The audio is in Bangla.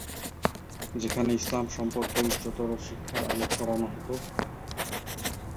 যেখানে ইসলাম সম্পর্কে উচ্চতর শিক্ষার আলো ছড়ানো হতো।